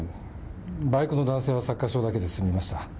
バイクの男性は擦過傷だけで済みました。